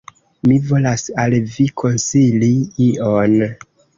Mi volas al Vi konsili ion!